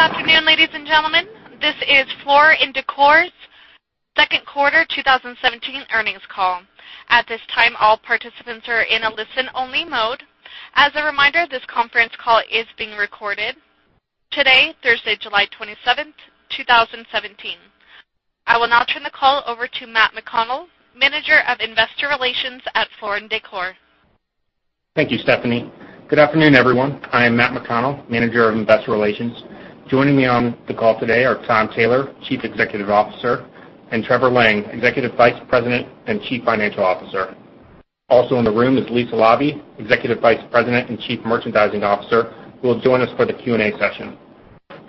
Good afternoon, ladies and gentlemen. This is Floor & Decor's second quarter 2017 earnings call. At this time, all participants are in a listen-only mode. As a reminder, this conference call is being recorded today, Thursday, July 27th, 2017. I will now turn the call over to Matthew McConnell, Manager of Investor Relations at Floor & Decor. Thank you, Stephanie. Good afternoon, everyone. I am Matt McConnell, Manager of Investor Relations. Joining me on the call today are Tom Taylor, Chief Executive Officer, and Trevor Lang, Executive Vice President and Chief Financial Officer. Also in the room is Lisa Laube, Executive Vice President and Chief Merchandising Officer, who will join us for the Q&A session.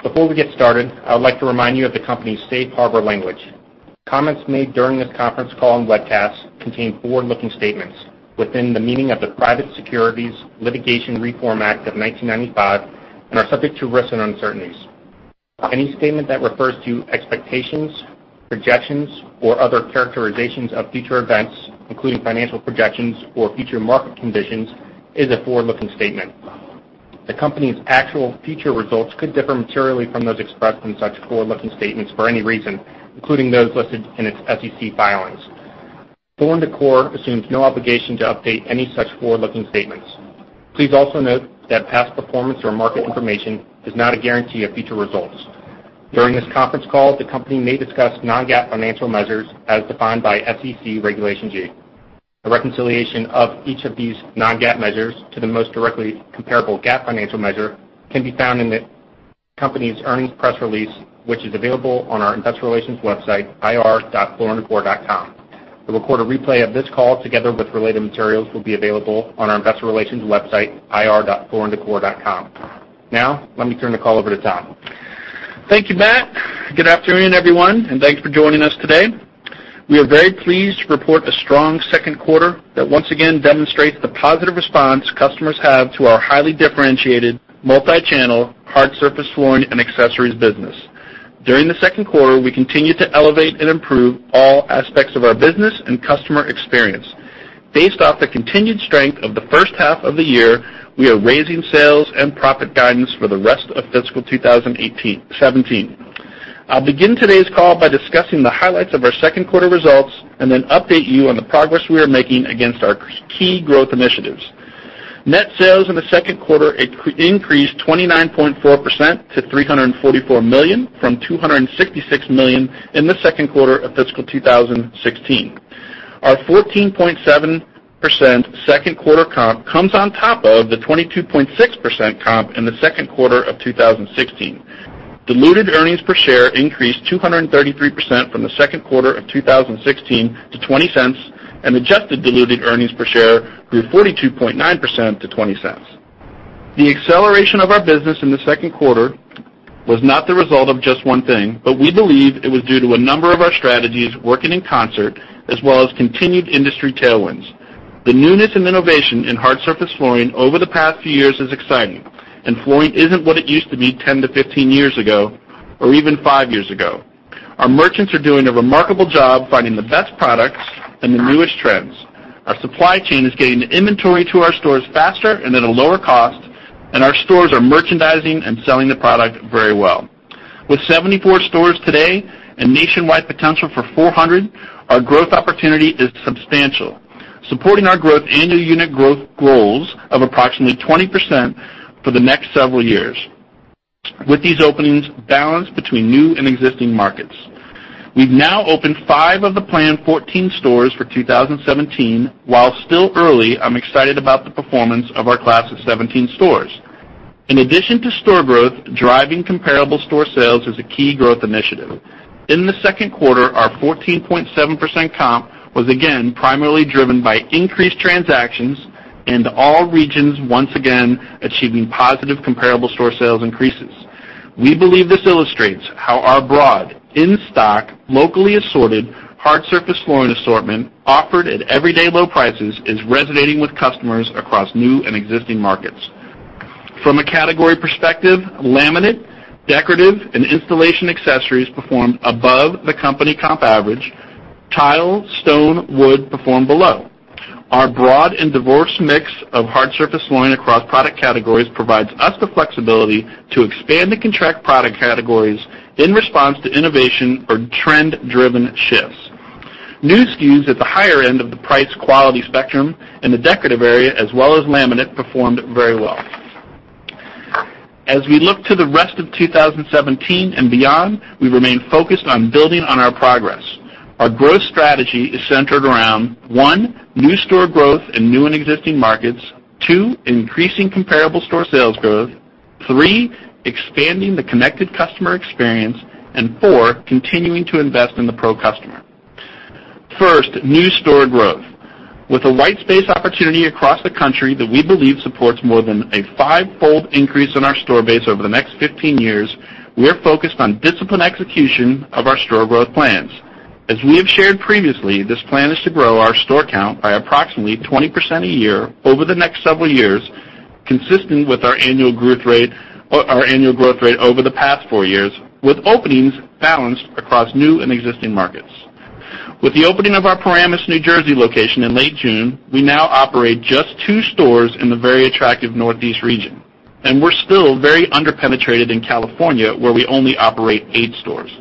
Before we get started, I would like to remind you of the company's safe harbor language. Comments made during this conference call and webcast contain forward-looking statements within the meaning of the Private Securities Litigation Reform Act of 1995 and are subject to risks and uncertainties. Any statement that refers to expectations, projections, or other characterizations of future events, including financial projections or future market conditions, is a forward-looking statement. The company's actual future results could differ materially from those expressed in such forward-looking statements for any reason, including those listed in its SEC filings. Floor & Decor assumes no obligation to update any such forward-looking statements. Please also note that past performance or market information is not a guarantee of future results. During this conference call, the company may discuss non-GAAP financial measures as defined by SEC Regulation G. A reconciliation of each of these non-GAAP measures to the most directly comparable GAAP financial measure can be found in the company's earnings press release, which is available on our investor relations website, ir.flooranddecor.com. A recorded replay of this call, together with related materials, will be available on our investor relations website, ir.flooranddecor.com. Now, let me turn the call over to Tom. Thank you, Matt. Good afternoon, everyone, and thanks for joining us today. We are very pleased to report a strong second quarter that once again demonstrates the positive response customers have to our highly differentiated, multi-channel, hard surface flooring and accessories business. During the second quarter, we continued to elevate and improve all aspects of our business and customer experience. Based off the continued strength of the first half of the year, we are raising sales and profit guidance for the rest of fiscal 2017. I'll begin today's call by discussing the highlights of our second quarter results and then update you on the progress we are making against our key growth initiatives. Net sales in the second quarter increased 29.4% to $344 million from $266 million in the second quarter of fiscal 2016. Our 14.7% second quarter comp comes on top of the 22.6% comp in the second quarter of 2016. Diluted earnings per share increased 233% from the second quarter of 2016 to $0.20, and adjusted diluted earnings per share grew 42.9% to $0.20. The acceleration of our business in the second quarter was not the result of just one thing, but we believe it was due to a number of our strategies working in concert as well as continued industry tailwinds. The newness and innovation in hard surface flooring over the past few years is exciting, and flooring isn't what it used to be 10 to 15 years ago or even five years ago. Our merchants are doing a remarkable job finding the best products and the newest trends. Our supply chain is getting inventory to our stores faster and at a lower cost, and our stores are merchandising and selling the product very well. With 74 stores today and nationwide potential for 400, our growth opportunity is substantial, supporting our growth and new unit growth goals of approximately 20% for the next several years, with these openings balanced between new and existing markets. We've now opened five of the planned 14 stores for 2017. While still early, I'm excited about the performance of our class of 2017 stores. In addition to store growth, driving comparable store sales is a key growth initiative. In the second quarter, our 14.7% comp was again primarily driven by increased transactions and all regions once again achieving positive comparable store sales increases. We believe this illustrates how our broad, in-stock, locally assorted hard surface flooring assortment, offered at everyday low prices, is resonating with customers across new and existing markets. From a category perspective, laminate, decorative, and installation accessories performed above the company comp average. Tile, stone, wood performed below. Our broad and diverse mix of hard surface flooring across product categories provides us the flexibility to expand and contract product categories in response to innovation or trend-driven shifts. New SKUs at the higher end of the price/quality spectrum in the decorative area, as well as laminate, performed very well. As we look to the rest of 2017 and beyond, we remain focused on building on our progress. Our growth strategy is centered around, one, new store growth in new and existing markets, two, increasing comparable store sales growth, three, expanding the connected customer experience, and four, continuing to invest in the pro customer. First, new store growth. With a white space opportunity across the country that we believe supports more than a five-fold increase in our store base over the next 15 years, we are focused on disciplined execution of our store growth plans. As we have shared previously, this plan is to grow our store count by approximately 20% a year over the next several years, consistent with our annual growth rate over the past four years, with openings balanced across new and existing markets. With the opening of our Paramus, New Jersey location in late June, we now operate just two stores in the very attractive Northeast region, and we are still very under-penetrated in California, where we only operate eight stores.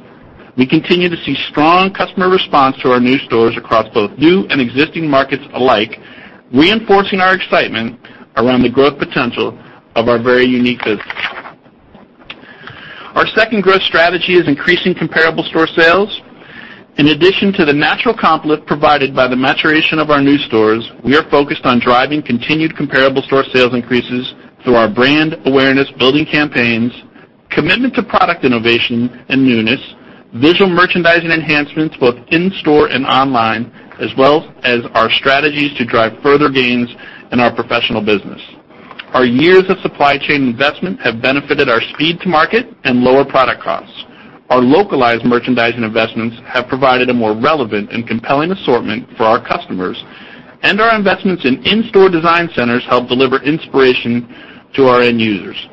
We continue to see strong customer response to our new stores across both new and existing markets alike, reinforcing our excitement around the growth potential of our very unique business. Our second growth strategy is increasing comparable store sales. In addition to the natural comp lift provided by the maturation of our new stores, we are focused on driving continued comparable store sales increases through our brand awareness, building campaigns, commitment to product innovation and newness, visual merchandising enhancements both in-store and online, as well as our strategies to drive further gains in our professional business. Our years of supply chain investment have benefited our speed to market and lower product costs. Our localized merchandising investments have provided a more relevant and compelling assortment for our customers, and our investments in in-store design centers help deliver inspiration to our end users.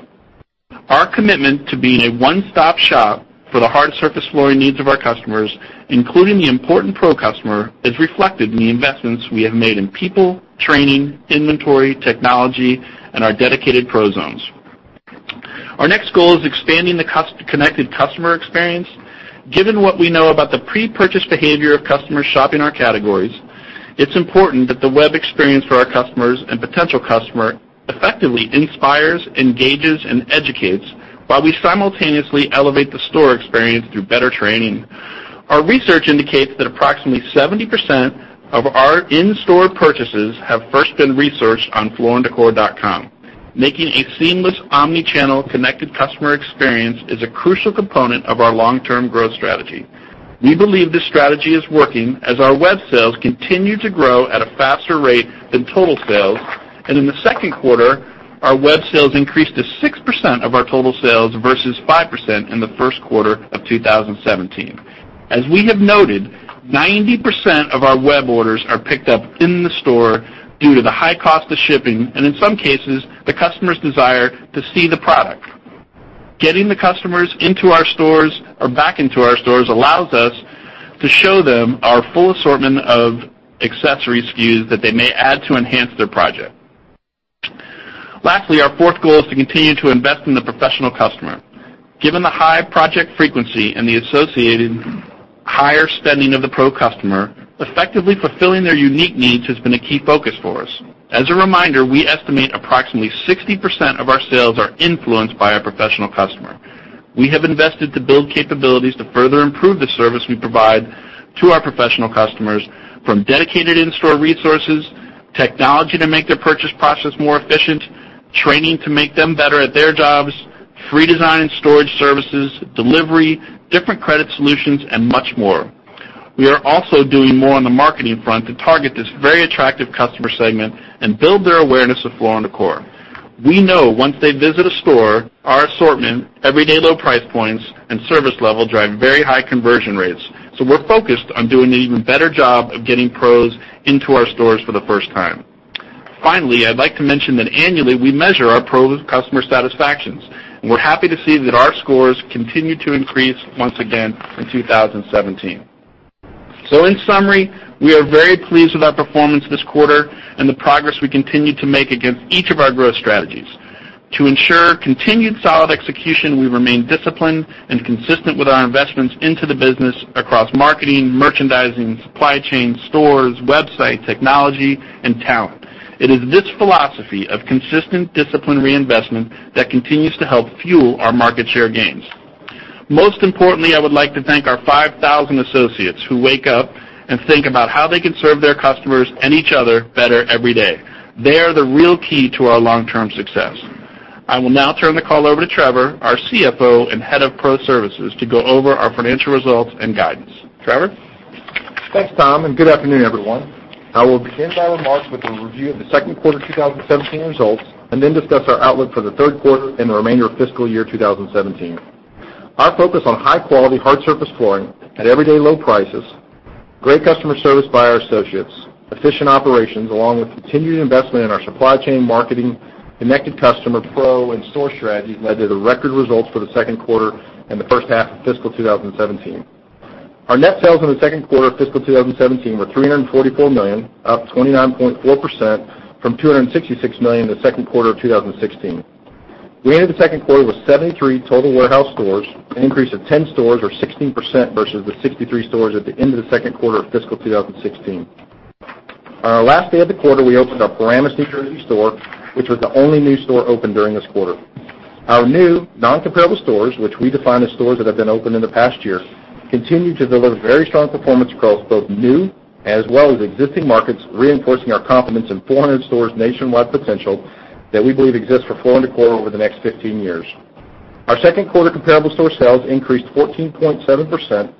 Our commitment to being a one-stop shop for the hard surface flooring needs of our customers, including the important pro customer, is reflected in the investments we have made in people, training, inventory, technology, and our dedicated pro zones. Our next goal is expanding the connected customer experience. Given what we know about the pre-purchase behavior of customers shopping our categories, it's important that the web experience for our customers and potential customer effectively inspires, engages, and educates while we simultaneously elevate the store experience through better training. Our research indicates that approximately 70% of our in-store purchases have first been researched on flooranddecor.com. Making a seamless omnichannel connected customer experience is a crucial component of our long-term growth strategy. We believe this strategy is working as our web sales continue to grow at a faster rate than total sales. In the second quarter, our web sales increased to 6% of our total sales versus 5% in the first quarter of 2017. As we have noted, 90% of our web orders are picked up in the store due to the high cost of shipping, and in some cases, the customer's desire to see the product. Getting the customers into our stores or back into our stores allows us to show them our full assortment of accessories SKUs that they may add to enhance their project. Lastly, our fourth goal is to continue to invest in the professional customer. Given the high project frequency and the associated higher spending of the pro customer, effectively fulfilling their unique needs has been a key focus for us. As a reminder, we estimate approximately 60% of our sales are influenced by our professional customer. We have invested to build capabilities to further improve the service we provide to our professional customers, from dedicated in-store resources, technology to make their purchase process more efficient, training to make them better at their jobs, free design and storage services, delivery, different credit solutions, and much more. We are also doing more on the marketing front to target this very attractive customer segment and build their awareness of Floor & Decor. We know once they visit a store, our assortment, everyday low price points, and service level drive very high conversion rates. We are focused on doing an even better job of getting pros into our stores for the first time. Finally, I'd like to mention that annually, we measure our pro customer satisfactions, and we're happy to see that our scores continue to increase once again in 2017. In summary, we are very pleased with our performance this quarter and the progress we continue to make against each of our growth strategies. To ensure continued solid execution, we remain disciplined and consistent with our investments into the business across marketing, merchandising, supply chain, stores, website, technology, and talent. It is this philosophy of consistent disciplined investment that continues to help fuel our market share gains. Most importantly, I would like to thank our 5,000 associates who wake up and think about how they can serve their customers and each other better every day. They are the real key to our long-term success. I will now turn the call over to Trevor, our CFO and Head of Pro Services, to go over our financial results and guidance. Trevor? Thanks, Tom. Good afternoon, everyone. I will begin my remarks with a review of the second quarter 2017 results and then discuss our outlook for the third quarter and the remainder of fiscal year 2017. Our focus on high-quality, hard surface flooring at everyday low prices, great customer service by our associates, efficient operations, along with continued investment in our supply chain, marketing, connected customer, pro, and store strategies led to the record results for the second quarter and the first half of fiscal 2017. Our net sales in the second quarter of fiscal 2017 were $344 million, up 29.4% from $266 million in the second quarter of 2016. We ended the second quarter with 73 total warehouse stores, an increase of 10 stores or 16% versus the 63 stores at the end of the second quarter of fiscal 2016. On our last day of the quarter, we opened our Paramus, New Jersey store, which was the only new store opened during this quarter. Our new non-comparable stores, which we define as stores that have been opened in the past year, continued to deliver very strong performance across both new as well as existing markets, reinforcing our confidence in 400 stores nationwide potential that we believe exists for Floor & Decor over the next 15 years. Our second quarter comparable store sales increased 14.7%,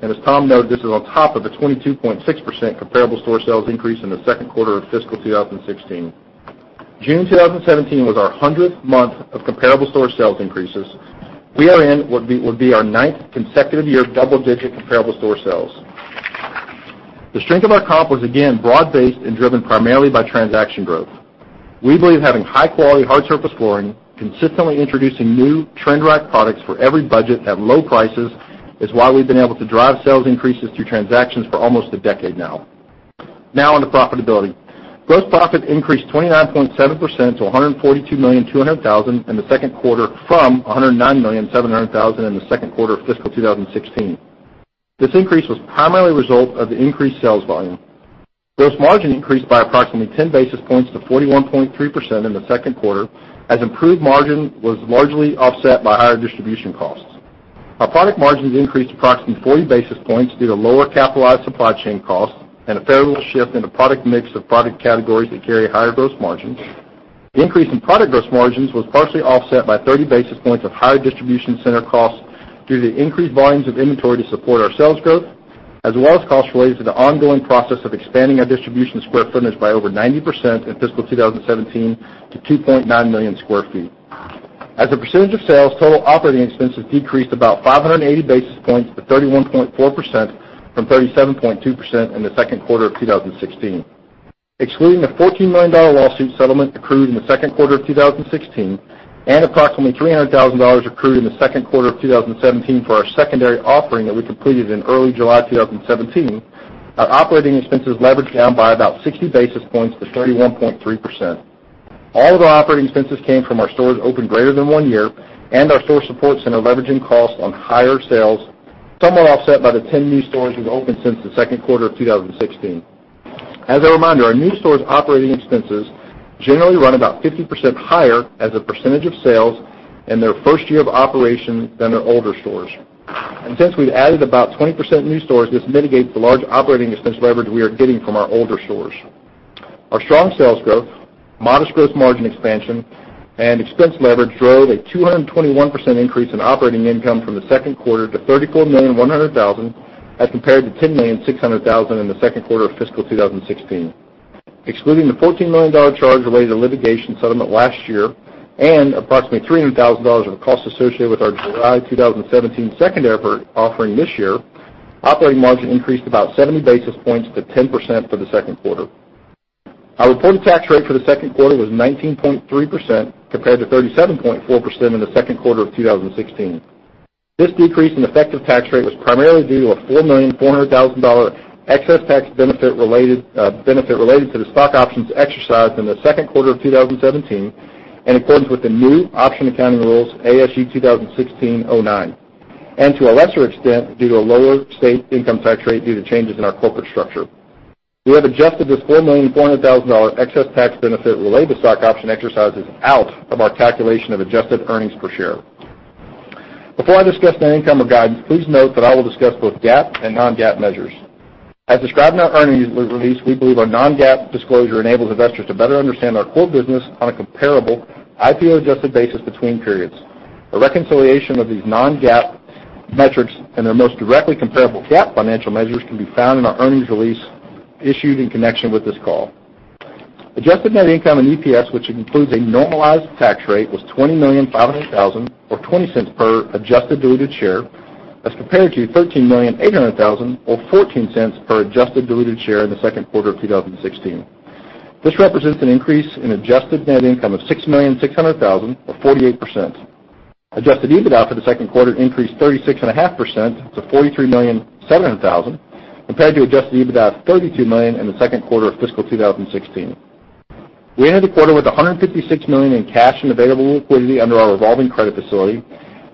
and as Tom noted, this is on top of the 22.6% comparable store sales increase in the second quarter of fiscal 2016. June 2017 was our 100th month of comparable store sales increases. We are in what would be our ninth consecutive year of double-digit comparable store sales. The strength of our comp was again broad-based and driven primarily by transaction growth. We believe having high-quality hard surface flooring, consistently introducing new trend-right products for every budget at low prices is why we've been able to drive sales increases through transactions for almost a decade now. Now on to profitability. Gross profit increased 29.7% to $142,200,000 in the second quarter from $109,700,000 in the second quarter of fiscal 2016. This increase was primarily a result of the increased sales volume. Gross margin increased by approximately 10 basis points to 41.3% in the second quarter, as improved margin was largely offset by higher distribution costs. Our product margins increased approximately 40 basis points due to lower capitalized supply chain costs and a favorable shift in the product mix of product categories that carry higher gross margins. The increase in product gross margins was partially offset by 30 basis points of higher distribution center costs due to the increased volumes of inventory to support our sales growth, as well as costs related to the ongoing process of expanding our distribution square footage by over 90% in fiscal 2017 to 2.9 million square feet. As a percentage of sales, total operating expenses decreased about 580 basis points to 31.4% from 37.2% in the second quarter of 2016. Excluding the $14 million lawsuit settlement accrued in the second quarter of 2016 and approximately $300,000 accrued in the second quarter of 2017 for our secondary offering that we completed in early July 2017, our operating expenses leveraged down by about 60 basis points to 31.3%. All of our operating expenses came from our stores open greater than one year and our store support center leveraging costs on higher sales, somewhat offset by the 10 new stores we've opened since the second quarter of 2016. As a reminder, our new stores' operating expenses generally run about 50% higher as a percentage of sales in their first year of operation than our older stores. Since we've added about 20% new stores, this mitigates the large operating expense leverage we are getting from our older stores. Our strong sales growth, modest gross margin expansion, and expense leverage drove a 221% increase in operating income from the second quarter to $34,100,000 as compared to $10,600,000 in the second quarter of fiscal 2016. Excluding the $14 million charge related to litigation settlement last year and approximately $300,000 of costs associated with our July 2017 secondary offering this year, operating margin increased about 70 basis points to 10% for the second quarter. Our reported tax rate for the second quarter was 19.3% compared to 37.4% in the second quarter of 2016. This decrease in effective tax rate was primarily due to a $4,400,000 excess tax benefit related to the stock options exercised in the second quarter of 2017 in accordance with the new option accounting rules, ASU 2016-09, and to a lesser extent, due to a lower state income tax rate due to changes in our corporate structure. We have adjusted this $4,400,000 excess tax benefit related to stock option exercises out of our calculation of adjusted earnings per share. Before I discuss net income or guidance, please note that I will discuss both GAAP and non-GAAP measures. As described in our earnings release, we believe our non-GAAP disclosure enables investors to better understand our core business on a comparable, IPO-adjusted basis between periods. A reconciliation of these non-GAAP metrics and their most directly comparable GAAP financial measures can be found in our earnings release issued in connection with this call. Adjusted net income and EPS, which includes a normalized tax rate, was $20,500,000, or $0.20 per adjusted diluted share as compared to $13,800,000 or $0.14 per adjusted diluted share in the second quarter of 2016. This represents an increase in adjusted net income of $6,600,000 or 48%. Adjusted EBITDA for the second quarter increased 36.5% to $43,700,000 compared to adjusted EBITDA of $32 million in the second quarter of fiscal 2016. We ended the quarter with $156 million in cash and available liquidity under our revolving credit facility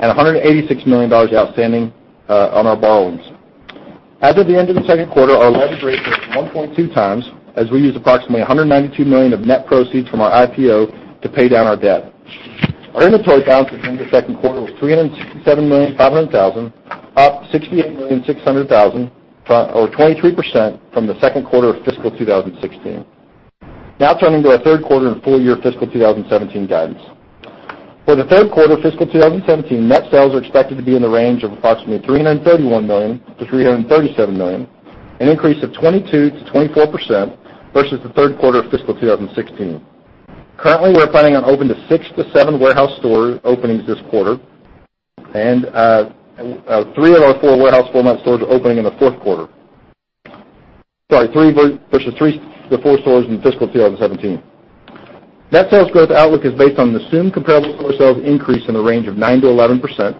and $186 million outstanding on our borrowings. As of the end of the second quarter, our leverage rate was 1.2 times, as we used approximately $192 million of net proceeds from our IPO to pay down our debt. Our inventory balance during the second quarter was $367,500,000, up $68,600,000 or 23% from the second quarter of fiscal 2016. Now turning to our third quarter and full year fiscal 2017 guidance. For the third quarter of fiscal 2017, net sales are expected to be in the range of approximately $331 million-$337 million, an increase of 22%-24% versus the third quarter of fiscal 2016. Currently, we're planning on opening six to seven warehouse store openings this quarter and three of our four warehouse format stores are opening in the fourth quarter. Sorry, three to four stores in fiscal 2017. Net sales growth outlook is based on assumed comparable store sales increase in the range of 9%-11%,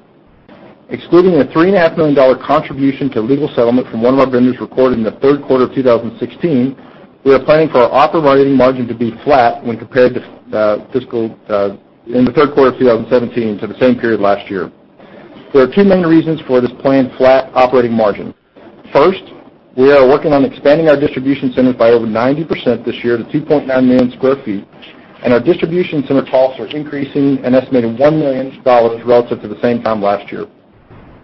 excluding a $3.5 million contribution to legal settlement from one of our vendors recorded in the third quarter of 2016. We are planning for our operating margin to be flat when compared to the third quarter of 2017 to the same period last year. There are two main reasons for this planned flat operating margin. First, we are working on expanding our distribution center by over 90% this year to 2.9 million sq ft, and our distribution center costs are increasing an estimated $1 million relative to the same time last year.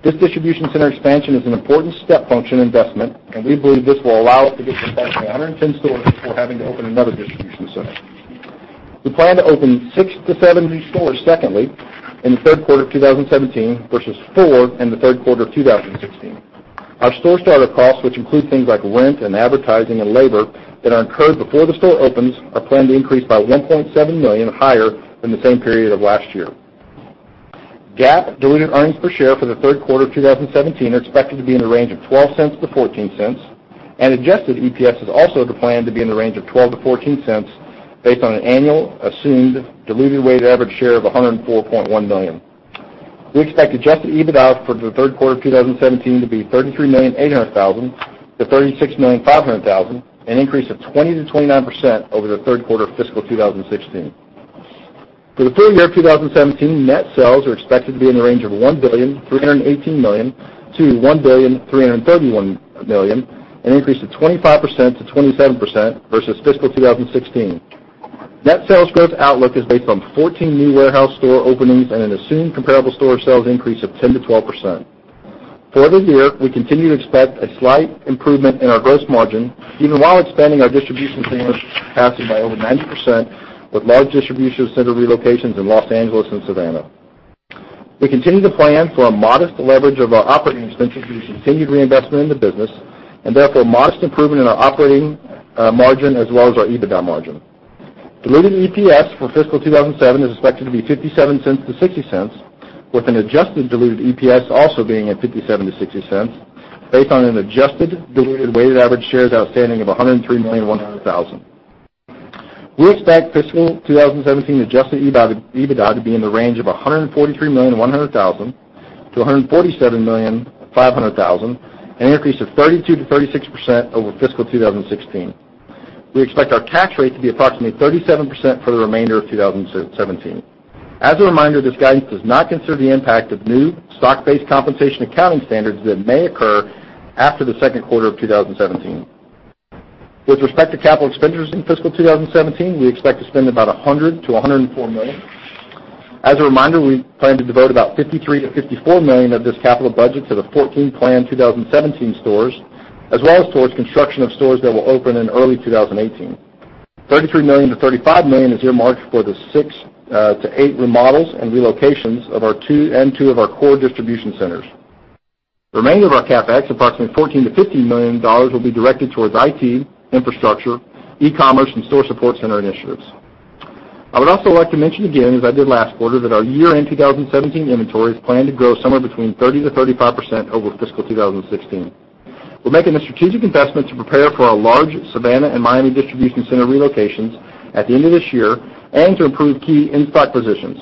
This distribution center expansion is an important step function investment, and we believe this will allow us to get to approximately 110 stores before having to open another distribution center. We plan to open six to seven new stores, secondly, in the third quarter of 2017 versus four in the third quarter of 2016. Our store starter costs, which include things like rent and advertising and labor that are incurred before the store opens, are planned to increase by $1.7 million higher than the same period of last year. GAAP diluted earnings per share for the third quarter of 2017 are expected to be in the range of $0.12-$0.14, and adjusted EPS is also planned to be in the range of $0.12-$0.14, based on an annual assumed diluted weighted average share of 104.1 million. We expect adjusted EBITDA for the third quarter of 2017 to be $33,800,000-$36,500,000, an increase of 20%-29% over the third quarter of fiscal 2016. For the full year of 2017, net sales are expected to be in the range of $1,318 million-$1,331 million, an increase of 25%-27% versus fiscal 2016. Net sales growth outlook is based on 14 new warehouse store openings and an assumed comparable store sales increase of 10%-12%. For the year, we continue to expect a slight improvement in our gross margin, even while expanding our distribution centers capacity by over 90% with large distribution center relocations in L.A. and Savannah. We continue to plan for a modest leverage of our operating expenses through continued reinvestment in the business. Therefore, modest improvement in our operating margin as well as our EBITDA margin. Diluted EPS for fiscal 2017 is expected to be $0.57-$0.60, with an adjusted diluted EPS also being at $0.57-$0.60, based on an adjusted diluted weighted average shares outstanding of 103,100,000. We expect fiscal 2017 adjusted EBITDA to be in the range of $143.1 million-$147.5 million, an increase of 32%-36% over fiscal 2016. We expect our tax rate to be approximately 37% for the remainder of 2017. As a reminder, this guidance does not consider the impact of new stock-based compensation accounting standards that may occur after the second quarter of 2017. With respect to capital expenditures in fiscal 2017, we expect to spend about $100 million-$104 million. As a reminder, we plan to devote about $53 million-$54 million of this capital budget to the 14 planned 2017 stores, as well as towards construction of stores that will open in early 2018. $33 million-$35 million is earmarked for the six to eight remodels and relocations and two of our core distribution centers. The remainder of our CapEx, approximately $14 million-$15 million, will be directed towards IT, infrastructure, e-commerce, and store support center initiatives. I would also like to mention again, as I did last quarter, that our year-end 2017 inventory is planned to grow somewhere between 30%-35% over fiscal 2016. We're making a strategic investment to prepare for our large Savannah and Miami distribution center relocations at the end of this year and to improve key in-stock positions.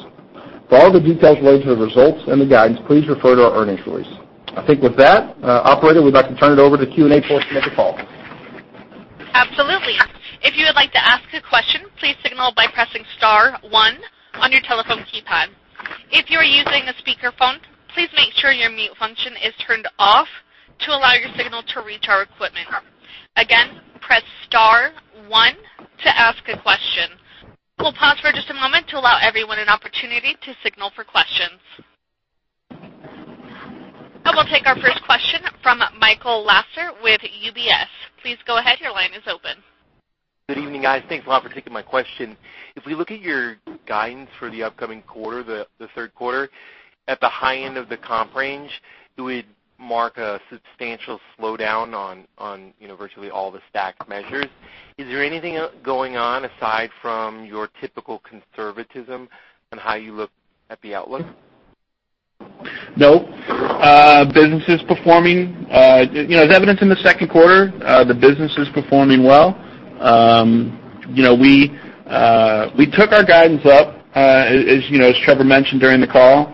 For all the details related to the results and the guidance, please refer to our earnings release. I think with that, operator, we'd like to turn it over to Q&A for us to make a call. Absolutely. If you would like to ask a question, please signal by pressing *1 on your telephone keypad. If you are using a speakerphone, please make sure your mute function is turned off to allow your signal to reach our equipment. Again, press *1 to ask a question. We'll pause for just a moment to allow everyone an opportunity to signal for questions. I will take our first question from Michael Lasser with UBS. Please go ahead, your line is open. Good evening, guys. Thanks a lot for taking my question. If we look at your guidance for the upcoming quarter, the third quarter, at the high end of the comp range, it would mark a substantial slowdown on virtually all the stacked measures. Is there anything going on aside from your typical conservatism on how you look at the outlook? No. As evidenced in the second quarter, the business is performing well. We took our guidance up, as Trevor mentioned during the call.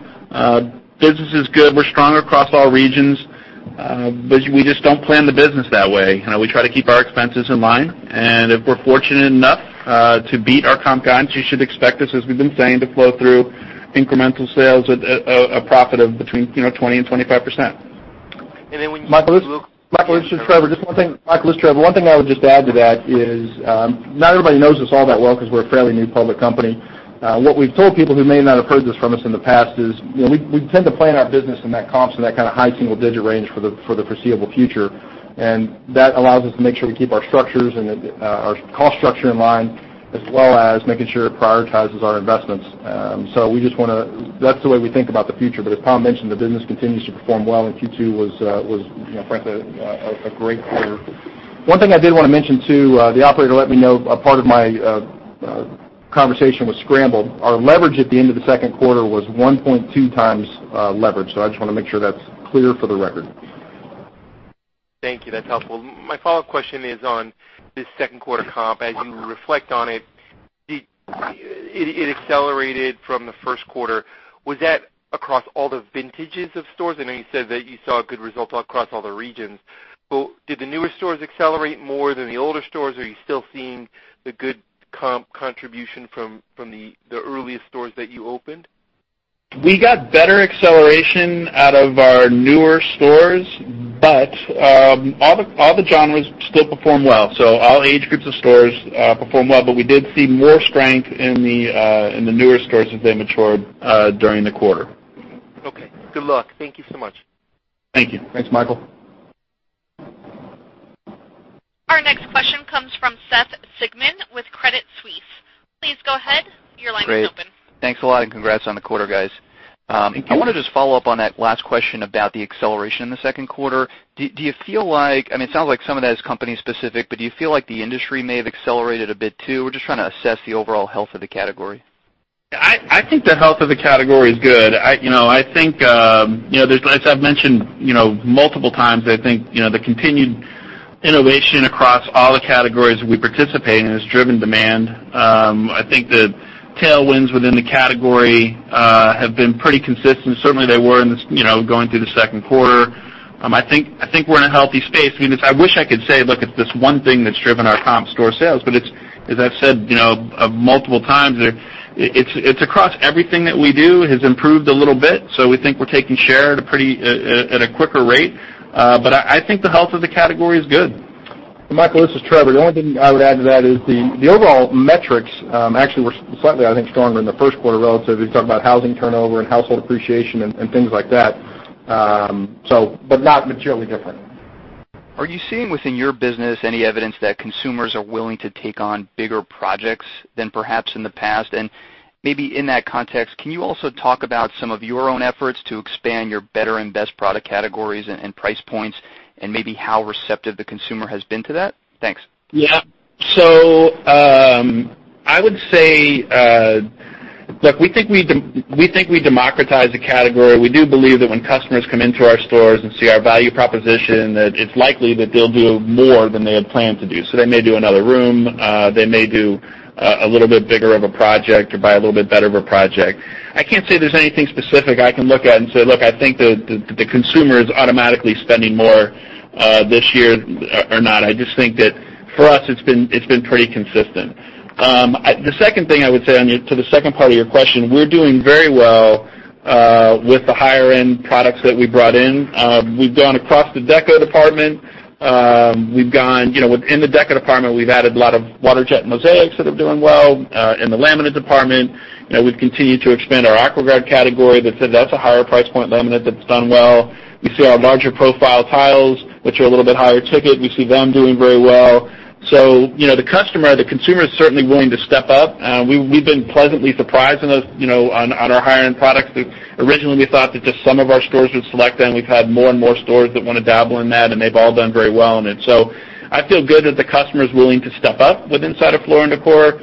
Business is good. We're strong across all regions. We just don't plan the business that way. We try to keep our expenses in line, and if we're fortunate enough to beat our comp guidance, you should expect us, as we've been saying, to flow through incremental sales at a profit of between 20% and 25%. When you- Michael Lasser, this is Trevor. One thing I would just add to that is, not everybody knows us all that well because we're a fairly new public company. What we've told people who may not have heard this from us in the past is we tend to plan our business in that comps in that kind of high single-digit range for the foreseeable future, and that allows us to make sure we keep our structures and our cost structure in line, as well as making sure it prioritizes our investments. That's the way we think about the future. As Tom mentioned, the business continues to perform well, and Q2 was frankly, a great quarter. One thing I did want to mention, too, the operator let me know a part of my conversation was scrambled. Our leverage at the end of the second quarter was 1.2 times leverage. I just want to make sure that's clear for the record. Thank you. That's helpful. My follow-up question is on this second quarter comp. As you reflect on it accelerated from the first quarter. Was that across all the vintages of stores? I know you said that you saw good results across all the regions, but did the newer stores accelerate more than the older stores? Are you still seeing the good comp contribution from the earliest stores that you opened? We got better acceleration out of our newer stores, but all the genres still perform well. All age groups of stores perform well. We did see more strength in the newer stores as they matured during the quarter. Okay. Good luck. Thank you so much. Thank you. Thanks, Michael. Our next question comes from Seth Sigman with Credit Suisse. Please go ahead. Your line is open. Great. Thanks a lot, and congrats on the quarter, guys. Thank you. I want to just follow up on that last question about the acceleration in the second quarter. It sounds like some of that is company specific, but do you feel like the industry may have accelerated a bit, too? We're just trying to assess the overall health of the category. I think the health of the category is good. As I've mentioned multiple times, I think the continued innovation across all the categories that we participate in has driven demand. I think the tailwinds within the category have been pretty consistent. Certainly, they were going through the second quarter. I think we're in a healthy space. I wish I could say, look at this one thing that's driven our comp store sales, but as I've said multiple times, it's across everything that we do has improved a little bit. We think we're taking share at a quicker rate. I think the health of the category is good. Michael, this is Trevor. The only thing I would add to that is the overall metrics actually were slightly, I think, stronger in the first quarter relative. You talk about housing turnover and household appreciation and things like that, but not materially different. Are you seeing within your business any evidence that consumers are willing to take on bigger projects than perhaps in the past? Maybe in that context, can you also talk about some of your own efforts to expand your better and best product categories and price points, and maybe how receptive the consumer has been to that? Thanks. I would say, look, we think we democratize the category. We do believe that when customers come into our stores and see our value proposition, that it's likely that they'll do more than they had planned to do. They may do another room, they may do a little bit bigger of a project or buy a little bit better of a project. I can't say there's anything specific I can look at and say, "Look, I think the consumer is automatically spending more this year or not." I just think that for us, it's been pretty consistent. The second thing I would say, to the second part of your question, we're doing very well with the higher-end products that we brought in. We've gone across the deco department. Within the deco department, we've added a lot of water jet mosaics that are doing well. In the laminate department, we've continued to expand our AquaGuard category. That's a higher price point laminate that's done well. We see our larger profile tiles, which are a little bit higher ticket. We see them doing very well. The customer, the consumer, is certainly willing to step up. We've been pleasantly surprised on our higher-end products. Originally, we thought that just some of our stores would select them. We've had more and more stores that want to dabble in that, and they've all done very well in it. I feel good that the customer's willing to step up with inside of Floor & Decor.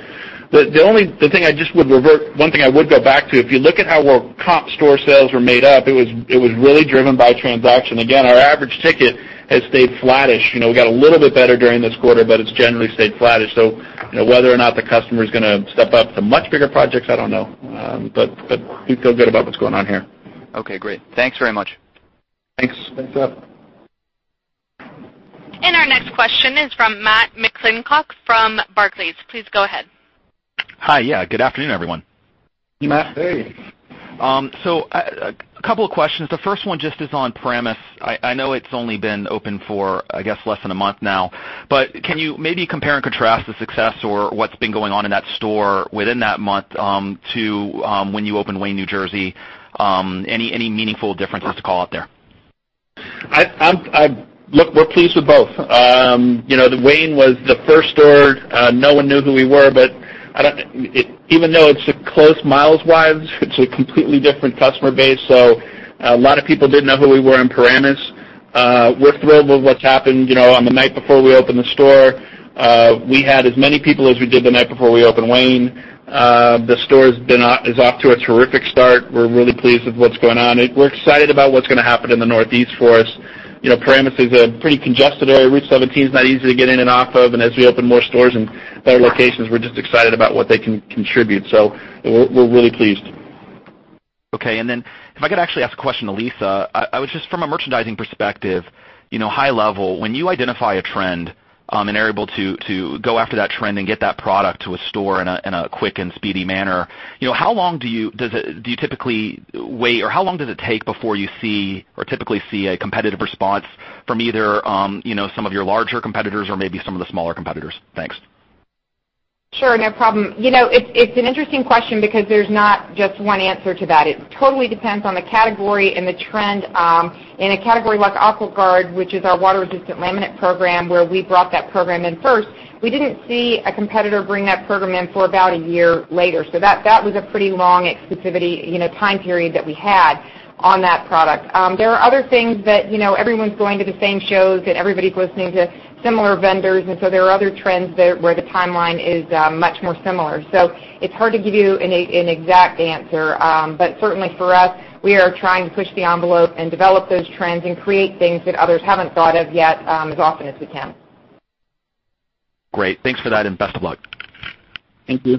One thing I would go back to, if you look at how our comp store sales were made up, it was really driven by transaction. Again, our average ticket has stayed flattish. We got a little bit better during this quarter, it's generally stayed flattish. Whether or not the customer's going to step up to much bigger projects, I don't know. We feel good about what's going on here. Great. Thanks very much. Thanks. Thanks, Seth. Our next question is from Matt McClintock from Barclays. Please go ahead. Hi. Yeah. Good afternoon, everyone. Matt, hey. A couple of questions. The first one just is on Paramus. I know it's only been open for, I guess, less than a month now, but can you maybe compare and contrast the success or what's been going on in that store within that month to when you opened Wayne, New Jersey? Any meaningful differences to call out there? Look, we're pleased with both. Wayne was the first store. No one knew who we were, but even though it's close miles-wise, it's a completely different customer base. A lot of people didn't know who we were in Paramus. We're thrilled with what's happened. On the night before we opened the store, we had as many people as we did the night before we opened Wayne. The store is off to a terrific start. We're really pleased with what's going on. We're excited about what's going to happen in the Northeast for us. Paramus is a pretty congested area. Route 17 is not easy to get in and off of, and as we open more stores in better locations, we're just excited about what they can contribute. We're really pleased. Okay. If I could actually ask a question to Lisa, just from a merchandising perspective, high level, when you identify a trend and are able to go after that trend and get that product to a store in a quick and speedy manner, how long do you typically wait, or how long does it take before you see or typically see a competitive response from either some of your larger competitors or maybe some of the smaller competitors? Thanks. Sure, no problem. It's an interesting question because there's not just one answer to that. It totally depends on the category and the trend. In a category like AquaGuard, which is our water-resistant laminate program, where we brought that program in first, we didn't see a competitor bring that program in for about a year later. That was a pretty long exclusivity time period that we had on that product. There are other things that everyone's going to the same shows and everybody's listening to similar vendors, and there are other trends where the timeline is much more similar. It's hard to give you an exact answer. But certainly for us, we are trying to push the envelope and develop those trends and create things that others haven't thought of yet as often as we can. Great. Thanks for that and best of luck. Thank you.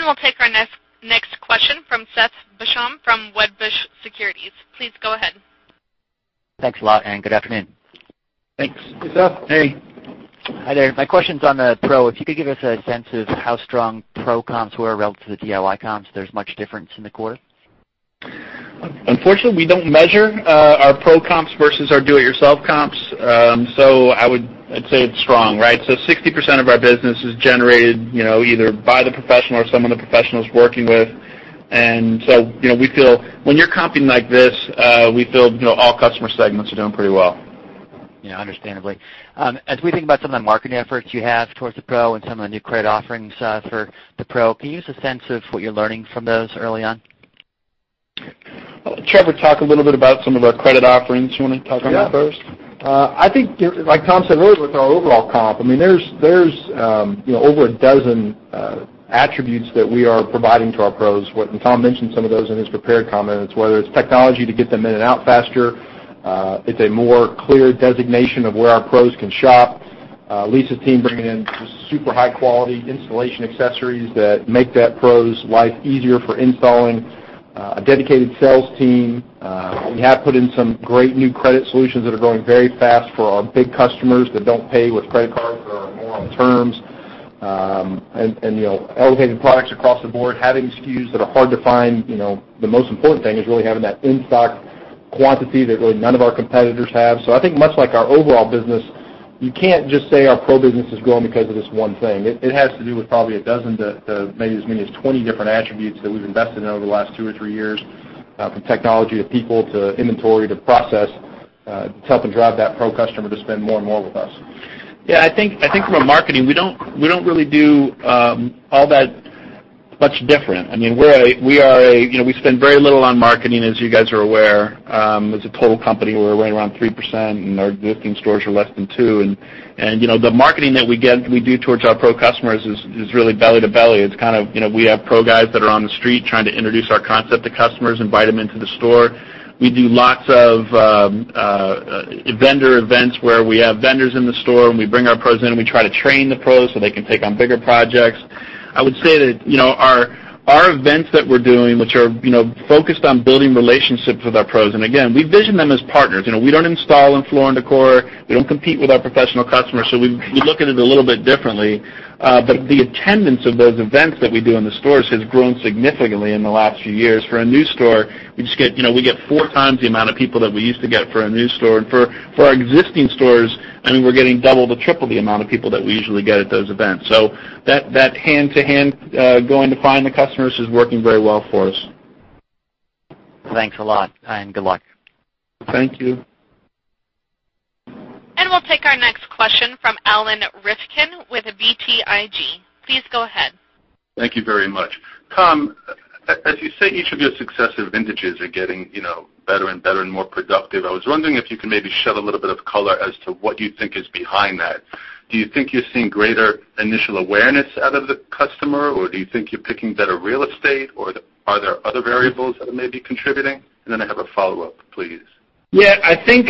We'll take our next question from Seth Basham from Wedbush Securities. Please go ahead. Thanks a lot and good afternoon. Thanks. Hey, Seth. Hey. Hi there. My question's on the pro. If you could give us a sense of how strong pro comps were relative to DIY comps. Is there much difference in the quarter? Unfortunately, we don't measure our pro comps versus our do-it-yourself comps. I'd say it's strong, right? 60% of our business is generated either by the professional or someone the professional's working with. We feel when you're comping like this, we feel all customer segments are doing pretty well. Yeah, understandably. As we think about some of the marketing efforts you have towards the pro and some of the new credit offerings for the pro, can you give us a sense of what you're learning from those early on? Trevor, talk a little bit about some of our credit offerings. You want to talk on that first? I think, like Tom said earlier with our overall comp, there's over a dozen attributes that we are providing to our pros. Tom mentioned some of those in his prepared comments, whether it's technology to get them in and out faster, it's a more clear designation of where our pros can shop. Lisa's team bringing in just super high-quality installation accessories that make that pro's life easier for installing. A dedicated sales team. We have put in some great new credit solutions that are growing very fast for our big customers that don't pay with credit card, for our more on terms. Elevating products across the board, having SKUs that are hard to find. The most important thing is really having that in-stock quantity that really none of our competitors have. I think much like our overall business, you can't just say our pro business is growing because of this one thing. It has to do with probably a dozen to maybe as many as 20 different attributes that we've invested in over the last two or three years, from technology to people to inventory to process, to help and drive that pro customer to spend more and more with us. Yeah, I think from a marketing, we don't really do all that much different. We spend very little on marketing, as you guys are aware. As a total company, we're right around 3%, and our existing stores are less than 2%. The marketing that we do towards our pro customers is really belly to belly. We have pro guys that are on the street trying to introduce our concept to customers, invite them into the store. We do lots of vendor events where we have vendors in the store, and we bring our pros in, and we try to train the pros so they can take on bigger projects. I would say that our events that we're doing, which are focused on building relationships with our pros, and again, we vision them as partners. We don't install in Floor & Decor. We don't compete with our professional customers. We look at it a little bit differently. The attendance of those events that we do in the stores has grown significantly in the last few years. For a new store, we get 4 times the amount of people that we used to get for a new store. For our existing stores, we're getting double to triple the amount of people that we usually get at those events. That hand-to-hand going to find the customers is working very well for us. Thanks a lot. Good luck. Thank you. We'll take our next question from Alan Rifkin with BTIG. Please go ahead. Thank you very much. Tom, as you say, each of your successive vintages are getting better and better and more productive. I was wondering if you could maybe shed a little bit of color as to what you think is behind that. Do you think you're seeing greater initial awareness out of the customer, or do you think you're picking better real estate, or are there other variables that may be contributing? I have a follow-up, please. I think,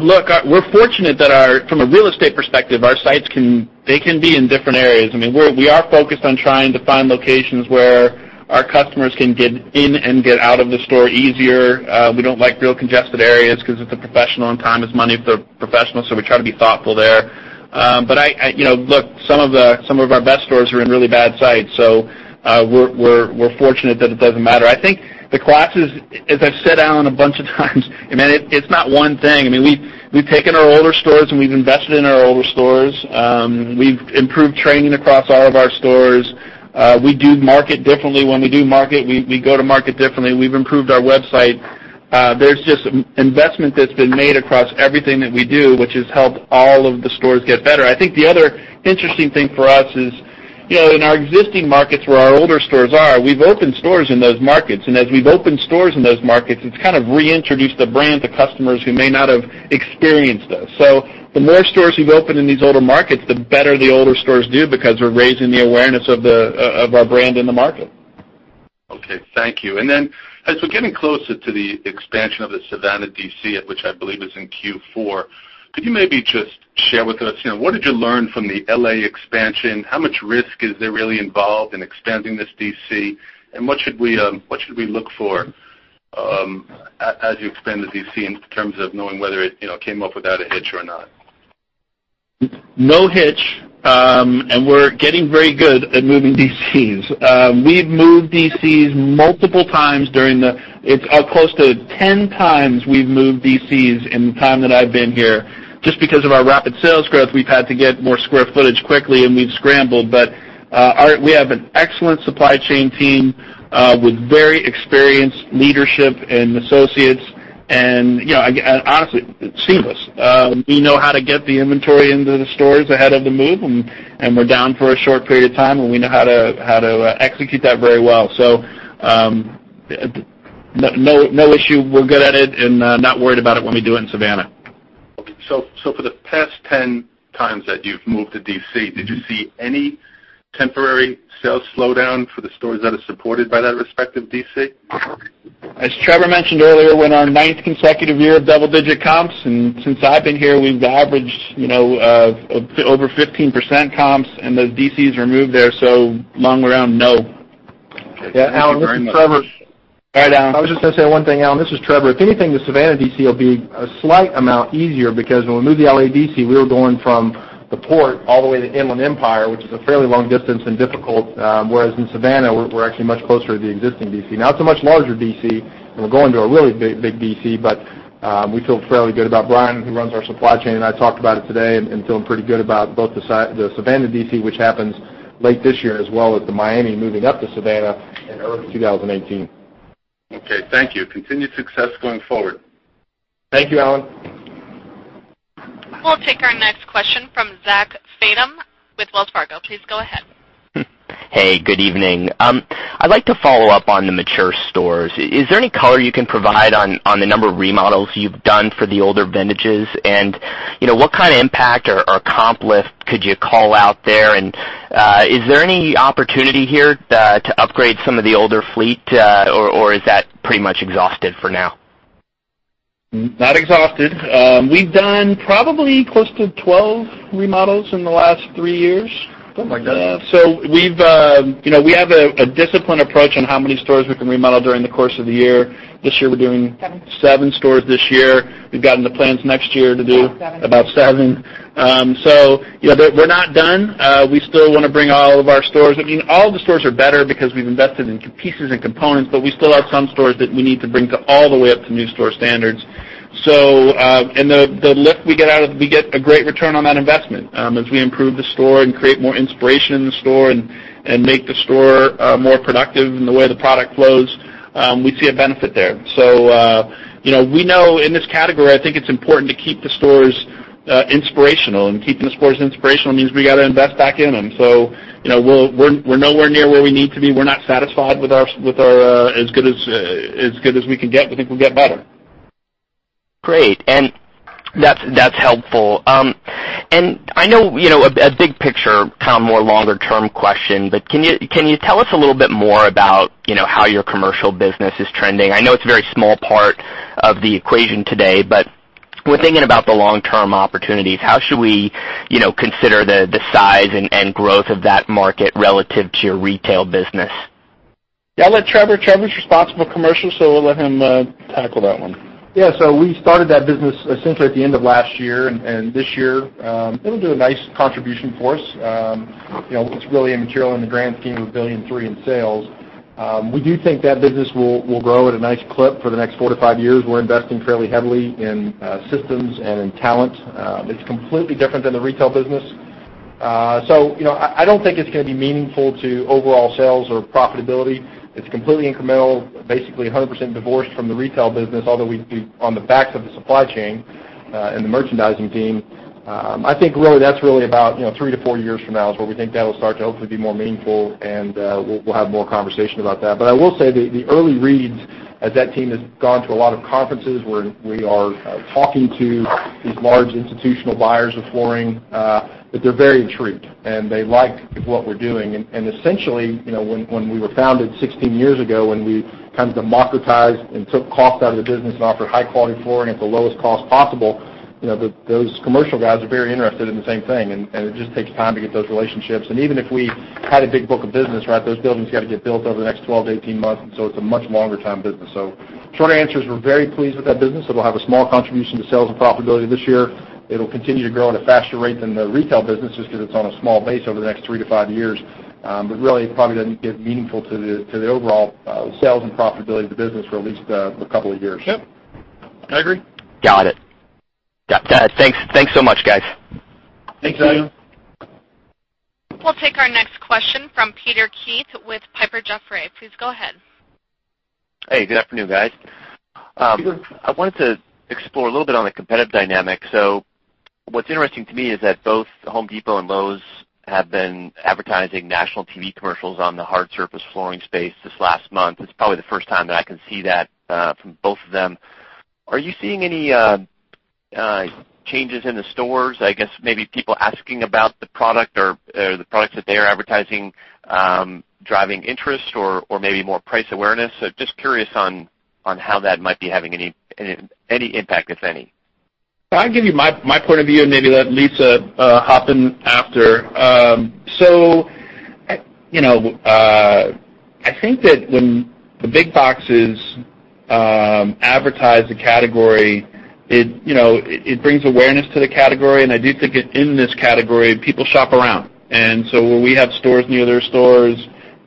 look, we're fortunate that from a real estate perspective, our sites can be in different areas. We are focused on trying to find locations where our customers can get in and get out of the store easier. We don't like real congested areas because it's a professional, and time is money for professionals, we try to be thoughtful there. Look, some of our best stores are in really bad sites, we're fortunate that it doesn't matter. I think the classes, as I've said, Alan, a bunch of times it's not one thing. We've taken our older stores and we've invested in our older stores. We've improved training across all of our stores. We do market differently. When we do market, we go to market differently. We've improved our website. There's just investment that's been made across everything that we do, which has helped all of the stores get better. I think the other interesting thing for us is, in our existing markets where our older stores are, we've opened stores in those markets. As we've opened stores in those markets, it's kind of reintroduced the brand to customers who may not have experienced us. The more stores we've opened in these older markets, the better the older stores do because we're raising the awareness of our brand in the market. Okay. Thank you. As we're getting closer to the expansion of the Savannah DC, which I believe is in Q4, could you maybe just share with us, what did you learn from the L.A. expansion? How much risk is there really involved in expanding this DC, and what should we look for as you expand the DC in terms of knowing whether it came up without a hitch or not? No hitch. We're getting very good at moving DCs. It's close to 10 times we've moved DCs in the time that I've been here. Just because of our rapid sales growth, we've had to get more square footage quickly, and we've scrambled. We have an excellent supply chain team with very experienced leadership and associates. Honestly, it's seamless. We know how to get the inventory into the stores ahead of the move, and we're down for a short period of time, and we know how to execute that very well. No issue. We're good at it and not worried about it when we do it in Savannah. Okay. For the past 10 times that you've moved a DC, did you see any temporary sales slowdown for the stores that are supported by that respective DC? As Trevor mentioned earlier, we're in our ninth consecutive year of double-digit comps, and since I've been here, we've averaged over 15% comps and those DCs are moved there, long way around, no. Okay. Thank you very much. Yeah. Listen, Trevor. Go ahead, Alan. I was just going to say one thing, Alan. This is Trevor. If anything, the Savannah D.C. will be a slight amount easier because when we moved the L.A. D.C., we were going from the port all the way to Inland Empire, which is a fairly long distance and difficult, whereas in Savannah, we're actually much closer to the existing D.C. Now it's a much larger D.C., and we're going to a really big D.C., but we feel fairly good about Bryan, who runs our supply chain, and I talked about it today and feeling pretty good about both the Savannah D.C., which happens late this year, as well as the Miami moving up to Savannah in early 2018. Okay. Thank you. Continued success going forward. Thank you, Alan. We'll take our next question from Zachary Fadem with Wells Fargo. Please go ahead. Hey, good evening. I'd like to follow up on the mature stores. Is there any color you can provide on the number of remodels you've done for the older vintages? What kind of impact or comp lift could you call out there? Is there any opportunity here to upgrade some of the older fleet, or is that pretty much exhausted for now? Not exhausted. We've done probably close to 12 remodels in the last three years. Something like that. We have a disciplined approach on how many stores we can remodel during the course of the year. This year, we're doing- Seven seven stores this year. We've got in the plans next year to do- About seven. about seven. We're not done. We still want to bring all of our stores. All of the stores are better because we've invested in pieces and components, but we still have some stores that we need to bring all the way up to new store standards. The lift we get out of it, we get a great return on that investment. As we improve the store and create more inspiration in the store and make the store more productive in the way the product flows, we see a benefit there. We know in this category, I think it's important to keep the stores inspirational. Keeping the stores inspirational means we got to invest back in them. We're nowhere near where we need to be. We're not satisfied with as good as we can get. We think we'll get better. Great. That's helpful. I know, a big picture, Tom, more longer term question, but can you tell us a little bit more about how your commercial business is trending? I know it's a very small part of the equation today, but when thinking about the long-term opportunities, how should we consider the size and growth of that market relative to your retail business? Yeah, I'll let Trevor. Trevor's responsible for commercial, so we'll let him tackle that one. We started that business essentially at the end of last year, and this year, it'll do a nice contribution for us. It's really immaterial in the grand scheme of a billion and three in sales. We do think that business will grow at a nice clip for the next 4-5 years. We're investing fairly heavily in systems and in talent. It's completely different than the retail business. I don't think it's going to be meaningful to overall sales or profitability. It's completely incremental, basically 100% divorced from the retail business, although we do on the backs of the supply chain, and the merchandising team. I think that's really about 3-4 years from now is where we think that'll start to hopefully be more meaningful and we'll have more conversation about that. I will say, the early reads, as that team has gone to a lot of conferences where we are talking to these large institutional buyers of flooring, that they're very intrigued, and they like what we're doing. Essentially, when we were founded 16 years ago, when we kind of democratized and took cost out of the business and offered high-quality flooring at the lowest cost possible, those commercial guys are very interested in the same thing, and it just takes time to get those relationships. Even if we had a big book of business, right, those buildings got to get built over the next 12-18 months, it's a much longer-term business. Short answer is we're very pleased with that business. It'll have a small contribution to sales and profitability this year. It'll continue to grow at a faster rate than the retail business just because it's on a small base over the next three to five years. Really, it probably doesn't get meaningful to the overall sales and profitability of the business for at least a couple of years. Yep. I agree. Got it. Thanks so much, guys. Thanks, Zach. Thanks, Zach. We'll take our next question from Peter Keith with Piper Jaffray. Please go ahead. Hey, good afternoon, guys. Peter. I wanted to explore a little bit on the competitive dynamic. What's interesting to me is that both The Home Depot and Lowe's have been advertising national TV commercials on the hard surface flooring space this last month. It's probably the first time that I can see that from both of them. Are you seeing any changes in the stores? I guess maybe people asking about the product or the products that they are advertising, driving interest or maybe more price awareness. Just curious on how that might be having any impact, if any. I can give you my point of view and maybe let Lisa hop in after. I think that when the big boxes advertise a category, it brings awareness to the category, and I do think in this category, people shop around. Where we have stores near their stores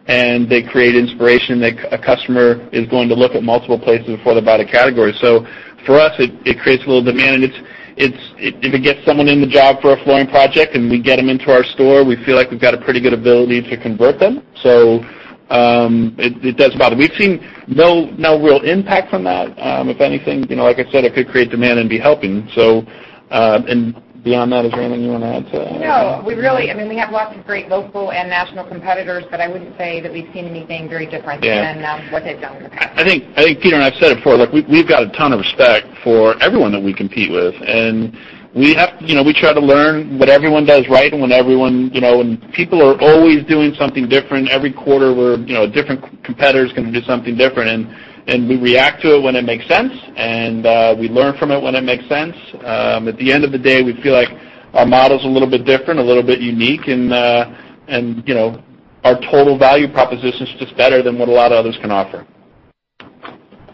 and they create inspiration, a customer is going to look at multiple places before they buy the category. For us, it creates a little demand and if it gets someone in the job for a flooring project and we get them into our store, we feel like we've got a pretty good ability to convert them. It does bother. We've seen no real impact from that. If anything, like I said, it could create demand and be helping. Beyond that, is there anything you want to add to that? No. I mean, we have lots of great local and national competitors, but I wouldn't say that we've seen anything very different than what they've done in the past. I think Peter and I have said it before, look, we've got a ton of respect for everyone that we compete with and we try to learn what everyone does right and when people are always doing something different every quarter, where different competitors can do something different and we react to it when it makes sense, and we learn from it when it makes sense. At the end of the day, we feel like our model's a little bit different, a little bit unique and our total value proposition is just better than what a lot of others can offer.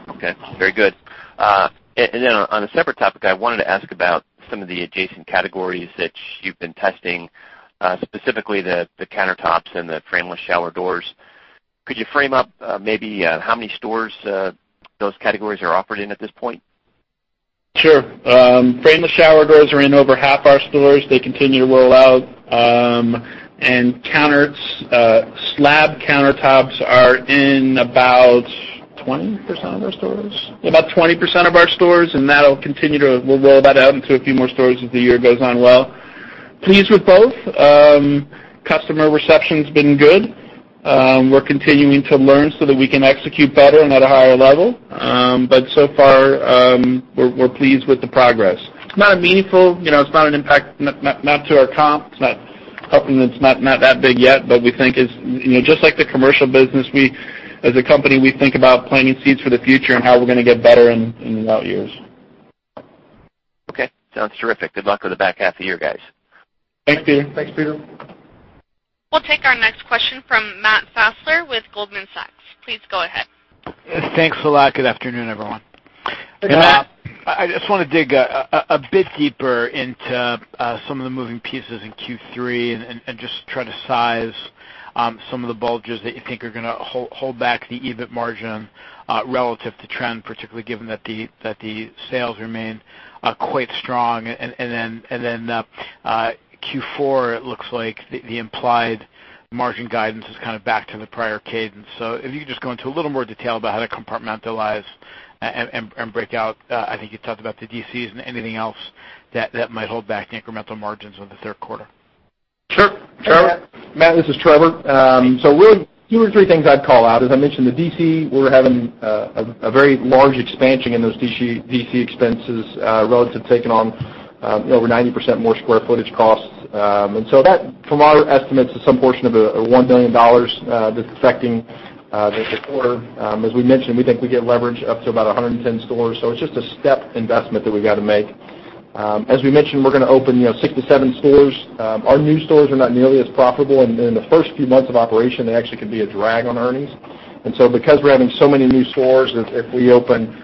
Okay. Very good. On a separate topic, I wanted to ask about some of the adjacent categories that you've been testing, specifically the countertops and the frameless shower doors. Could you frame up maybe how many stores those categories are offered in at this point? Sure. Frameless shower doors are in over half our stores. They continue to roll out. Slab countertops are in about 20% of our stores, and we'll roll that out into a few more stores as the year goes on well. Pleased with both. Customer reception's been good. We're continuing to learn so that we can execute better and at a higher level. So far, we're pleased with the progress. It's not meaningful, it's not an impact, not to our comp. It's nothing that's not that big yet, but we think it's just like the commercial business. As a company, we think about planting seeds for the future and how we're going to get better in the out years. Okay. Sounds terrific. Good luck with the back half of the year, guys. Thanks, Peter. We'll take our next question from Matt Fassler with Goldman Sachs. Please go ahead. Thanks a lot. Good afternoon, everyone. Hey, Matt. I just want to dig a bit deeper into some of the moving pieces in Q3 and just try to size some of the bulges that you think are going to hold back the EBIT margin, relative to trend, particularly given that the sales remain quite strong. Then Q4, it looks like the implied margin guidance is kind of back to the prior cadence. If you could just go into a little more detail about how to compartmentalize and break out, I think you talked about the DCs and anything else that might hold back incremental margins on the third quarter. Sure. Trevor. Matt, this is Trevor. Really two or three things I'd call out. As I mentioned, the DC, we're having a very large expansion in those DC expenses, relative to taking on over 90% more square footage costs. That, from our estimates, is some portion of a $1 million that's affecting the quarter. As we mentioned, we think we get leverage up to about 110 stores. It's just a step investment that we've got to make. As we mentioned, we're going to open six to seven stores. Our new stores are not nearly as profitable, and in the first few months of operation, they actually could be a drag on earnings. Because we're having so many new stores, if we open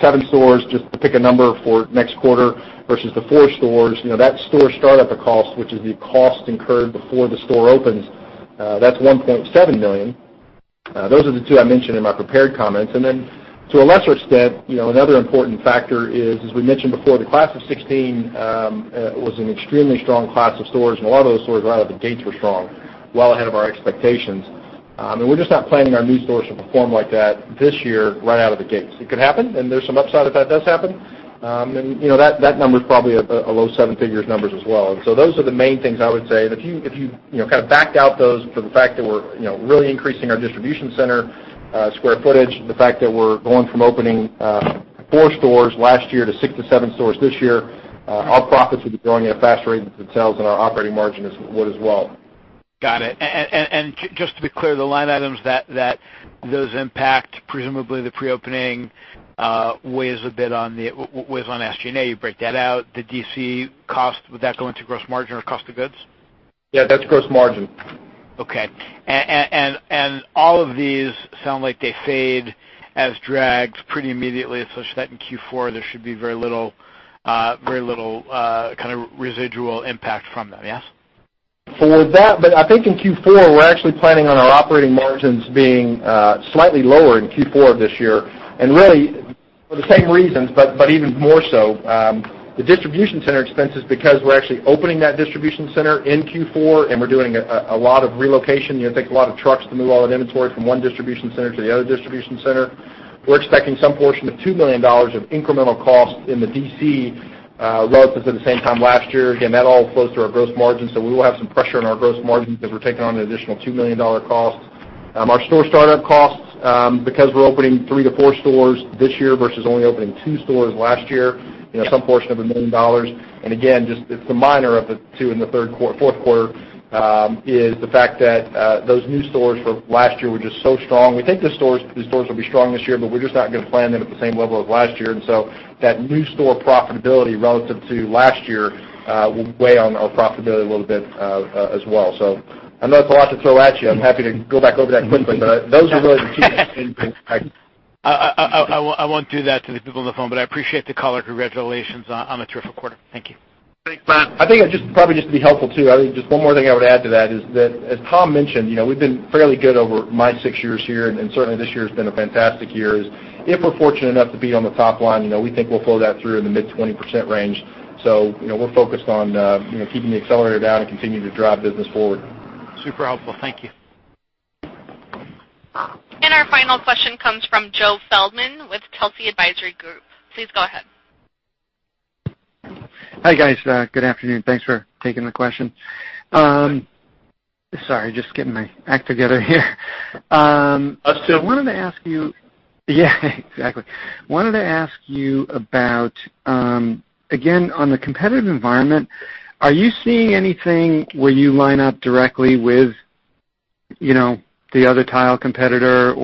seven stores, just to pick a number for next quarter versus the four stores, that store startup cost, which is the cost incurred before the store opens, that's $1.7 million. Those are the two I mentioned in my prepared comments. To a lesser extent, another important factor is, as we mentioned before, the class of 2016 was an extremely strong class of stores. A lot of those stores right out of the gates were strong, well ahead of our expectations. We're just not planning our new stores to perform like that this year right out of the gates. It could happen, and there's some upside if that does happen. That number is probably a low seven-figure numbers as well. Those are the main things I would say. If you kind of backed out those for the fact that we're really increasing our distribution center square footage, the fact that we're going from opening four stores last year to six to seven stores this year, our profits will be growing at a faster rate than the sales and our operating margin would as well. Got it. Just to be clear, the line items that those impact, presumably the pre-opening weighs a bit on SG&A. You break that out. The DC cost, would that go into gross margin or cost of goods? Yeah, that's gross margin. Okay. All of these sound like they fade as drags pretty immediately, such that in Q4, there should be very little kind of residual impact from them, yes? For that. I think in Q4, we're actually planning on our operating margins being slightly lower in Q4 of this year. Really for the same reasons, but even more so, the distribution center expenses because we're actually opening that distribution center in Q4 and we're doing a lot of relocation. It takes a lot of trucks to move all that inventory from one distribution center to the other distribution center. We're expecting some portion of $2 million of incremental cost in the DC, relative to the same time last year. Again, that all flows through our gross margin, so we will have some pressure on our gross margin because we're taking on an additional $2 million cost. Our store startup costs, because we're opening three to four stores this year versus only opening two stores last year, some portion of $1 million. Just the minor of the two in the fourth quarter, is the fact that those new stores for last year were just so strong. We think the stores will be strong this year, but we're just not going to plan them at the same level as last year. That new store profitability relative to last year will weigh on our profitability a little bit as well. I know it's a lot to throw at you. I'm happy to go back over that quickly, but those are really the key things. I won't do that to the people on the phone, I appreciate the color. Congratulations on a terrific quarter. Thank you. Thanks, Matt. I think probably just to be helpful, too, I think just one more thing I would add to that is that, as Tom mentioned, we've been fairly good over my six years here, and certainly this year has been a fantastic year, is if we're fortunate enough to be on the top line, we think we'll flow that through in the mid-20% range. We're focused on keeping the accelerator down and continuing to drive business forward. Super helpful. Thank you. Our final question comes from Joe Feldman with Telsey Advisory Group. Please go ahead. Hi, guys. Good afternoon. Thanks for taking the question. Sorry, just getting my act together here. All set. Yeah, exactly. Wanted to ask you about, again, on the competitive environment, are you seeing anything where you line up directly with the other tile competitor?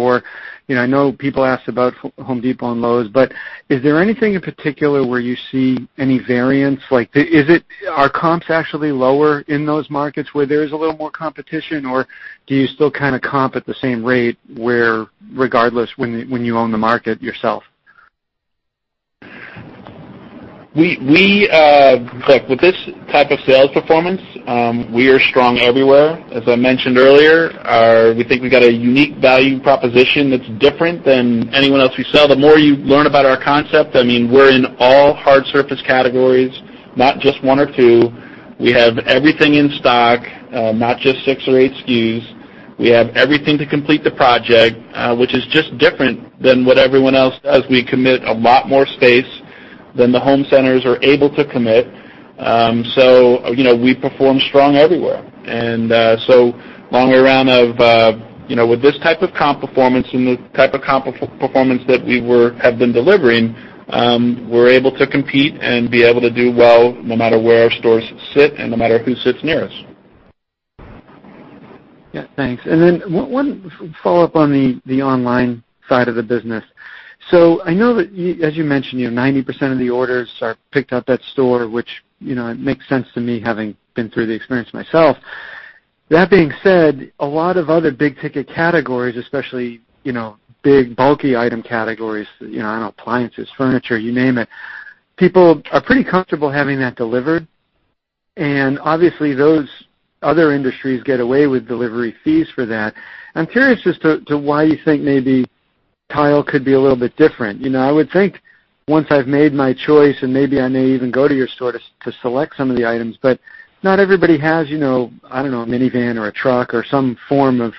I know people ask about Home Depot and Lowe's, but is there anything in particular where you see any variance? Are comps actually lower in those markets where there's a little more competition, or do you still kind of comp at the same rate regardless when you own the market yourself? With this type of sales performance, we are strong everywhere. As I mentioned earlier, we think we've got a unique value proposition that's different than anyone else we sell. The more you learn about our concept, I mean, we're in all hard surface categories, not just one or two. We have everything in stock, not just six or eight SKUs. We have everything to complete the project, which is just different than what everyone else does. We commit a lot more space than the home centers are able to commit. We perform strong everywhere. Long way around of with this type of comp performance and the type of comp performance that we have been delivering, we're able to compete and be able to do well no matter where our stores sit and no matter who sits near us. Yeah, thanks. One follow-up on the online side of the business. I know that, as you mentioned, 90% of the orders are picked up at store, which, it makes sense to me having been through the experience myself. That being said, a lot of other big-ticket categories, especially, big, bulky item categories, I don't know, appliances, furniture, you name it, people are pretty comfortable having that delivered. Obviously those other industries get away with delivery fees for that. I'm curious as to why you think maybe tile could be a little bit different. I would think once I've made my choice and maybe I may even go to your store to select some of the items, but not everybody has, I don't know, a minivan or a truck or some form of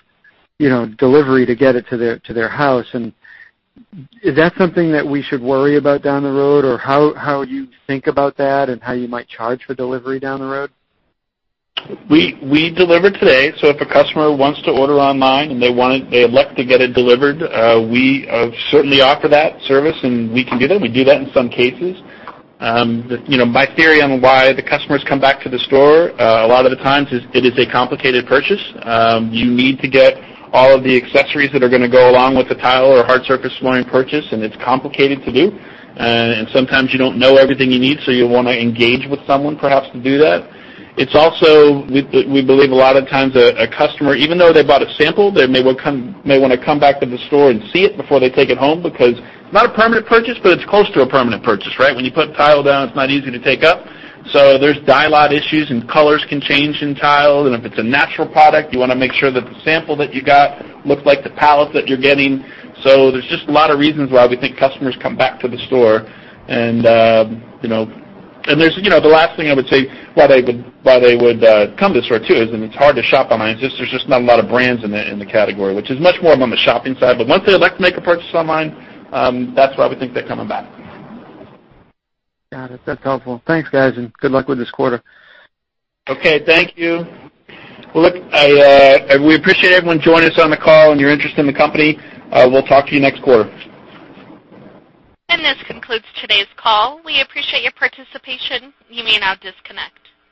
delivery to get it to their house and is that something that we should worry about down the road, or how you think about that and how you might charge for delivery down the road? We deliver today, so if a customer wants to order online and they elect to get it delivered, we certainly offer that service, and we can do that. We do that in some cases. My theory on why the customers come back to the store, a lot of the times, it is a complicated purchase. You need to get all of the accessories that are going to go along with the tile or hard surface flooring purchase, and it's complicated to do. Sometimes you don't know everything you need, so you'll want to engage with someone perhaps to do that. It's also, we believe a lot of times, a customer, even though they bought a sample, they may want to come back to the store and see it before they take it home because it's not a permanent purchase, but it's close to a permanent purchase, right? When you put tile down, it's not easy to take up. There's dye lot issues, and colors can change in tile. If it's a natural product, you want to make sure that the sample that you got looks like the pallet that you're getting. There's just a lot of reasons why we think customers come back to the store. The last thing I would say why they would come to the store, too, is, and it's hard to shop online. There's just not a lot of brands in the category, which is much more of on the shopping side. Once they elect to make a purchase online, that's why we think they're coming back. Got it. That's helpful. Thanks, guys, and good luck with this quarter. Okay. Thank you. Well, look, we appreciate everyone joining us on the call and your interest in the company. We'll talk to you next quarter. This concludes today's call. We appreciate your participation. You may now disconnect.